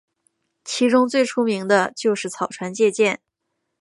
其中最出名的就是草船借箭。